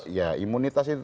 iya imunitas itu